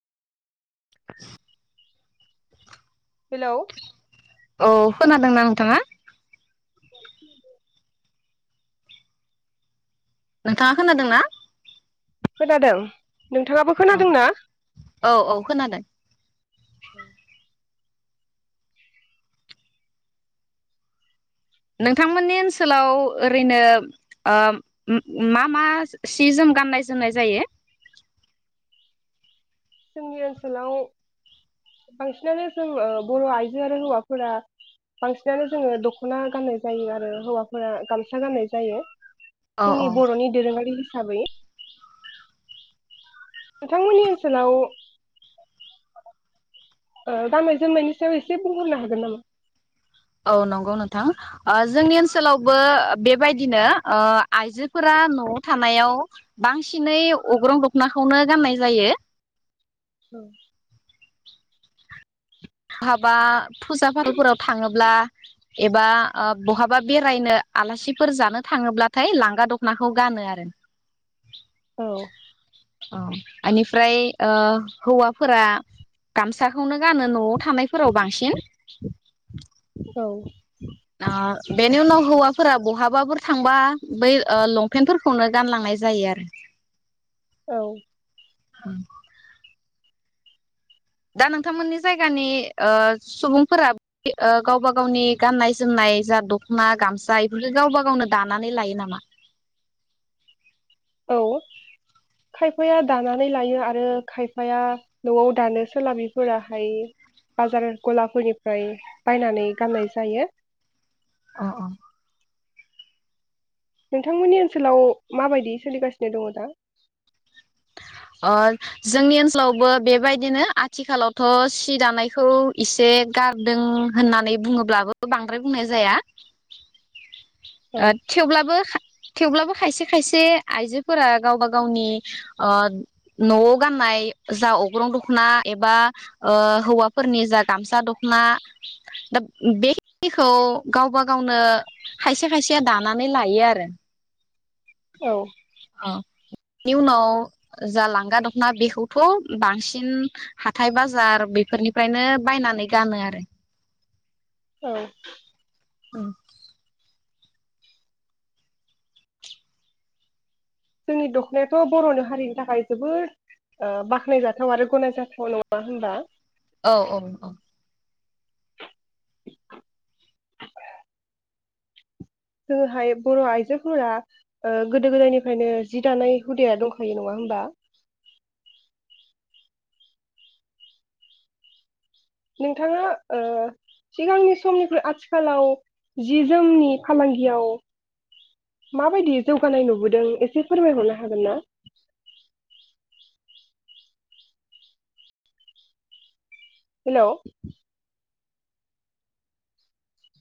[inaudible] Hello औ खोनादोंना नोंथाङा [inaudible] नोंथाङा खोनादों ना? खोनादों नोंथाङाबो खोनादोंना? औ खोनादों नोंथांमोननि ओनसोलाव ओरैनो ओ मा मा सि जोम गाननाय जोमनाय जायो? जोंनि ओनसोलाव बांसिनानो जों बर' आइजो आरो हौवाफोरा बांसिनानो जोङो द'खना गाननाय जायो आरो हौवाफोरा गामसा गाननाय जायो औ औ जोंनि बर'नि दोरोङारि हिसाबै नोंथांमोननि ओनसोलाव ओ गाननाय जोमनायनि सायाव एसे बुं हरनो हागोन नामा? औ नंगौ नोंथां ओ जोंनि ओनसोलावबो बेबायदिनो ओ आइजोफोरा न'आव थानायाव बांसिनै अग्रं दखनाखौनो गाननाय जायो। औ। बहाबा फुजा फाथलफोराव थाङोब्ला एबा ओ बहाबा बेरायनो आलासिफोर जानो थाङोब्लाथाय लांगा दखनाखौ गानो आरो। औ अ। इनिफ्राय ओ हौवाफोरा गामसाखौनो गानो न'आव। थानायफोराव बांसिन। औ। ओ बेनि उनाव हौवाफोरा बहाबाफोर थांबा बै ओ लंपेन्टफोरखौनो गानलांनाय जायो आरो। औ। [inaudible] दा नोंथांमोननि जायगानि ओ सुबुंफोरा ओ गावबा गावनि गाननाय जोमनाय जा दखना गामसा इफोरखौ गावबा गावनो दानानै लायो नामा? औ खायफाया दानानै लायो आरो खायफाया नआव दानो सोलाबिफोराहाय बाजार गलाफोरनिफ्राय बायनानै गाननाय जायो। अ। नोंथांमोननि ओनसोलाव माबायदि सोलिगासिनो दङ दा? अ जोंनि ओनसोलावबो बेबायदिनो आथिखालावथ सि दानायखौ इसे गारदों होननानै बुङोब्लाबो बांद्राय बुंनाय जाया। औ ओ थेवब्लाबो थेवब्लाबो खायसे खायसे आइजोफोरा गावबा गावनि ओ न'आव गाननाय जा अग्रं दखना एबा ओ हौवाफोरनि जा गामसा दखना दा बेखिनिखौ गावबा गावनो खायसे खायसे दानानै लायो आरो। औ। अ बेनि उनाव जा लांगा दखना बेखौथ बांसिन हाथाय बाजार बेफोरनिफ्रायनो बायनानै गानो आरो। औ। उम। जोंनि दखनायाथ बर'नो हारिनि थाखाय जोबोद ओ बाख्नायजाथाव आरो गनायजाथाव नङा होनबा? औ औ औ। जोङोहाय बर' आइजोफोरा ओ गोदो गोदायनिफ्रायनो जि दानाय हुदाया दंखायो नङा होनबा। नोंथाङा ओ सिगांनि समनिफ्राय आथिखालाव जि जोमनि फालांगियाव माबायदि जौगानाय नुबोदों एसे फोरमायहरनो हागोन ना? हेलौ।